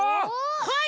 はい！